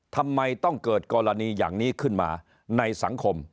ทำไมต้องเกิดกรณีอย่างนี้ขึ้นมาในสังคม